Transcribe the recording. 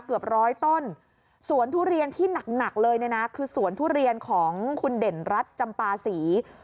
เกือบร้อยต้นสวนทุเรียนที่หนักหนักเลยเนี่ยนะคือสวนทุเรียนของคุณเด่นรัฐจำปาศรี